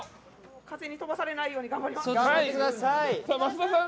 風に飛ばされないように頑張ります。